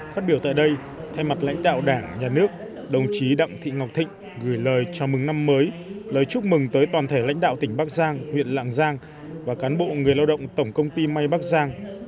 phát biểu tại đây thay mặt lãnh đạo đảng nhà nước đồng chí đặng thị ngọc thịnh gửi lời chào mừng năm mới lời chúc mừng tới toàn thể lãnh đạo tỉnh bắc giang huyện lạng giang và cán bộ người lao động tổng công ty may bắc giang